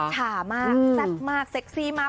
ฉามากแซ่บมากเซ็กซี่มาก